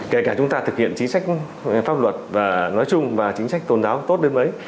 kể cả chúng ta thực hiện chính sách pháp luật và nói chung và chính sách tôn giáo tốt đến ấy